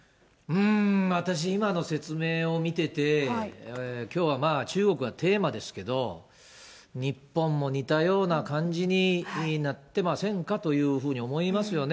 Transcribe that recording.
私、今の説明を見てて、きょうはまあ、中国がテーマですけど、日本も似たような感じになってませんかというふうに思いますよね。